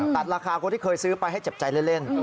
ตัดราคาคนที่เคยซื้อไปให้เจ็บใจเล่น